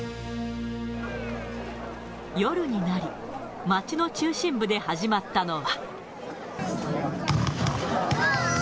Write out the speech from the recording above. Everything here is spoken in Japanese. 夜になり、街の中心部で始まったのは。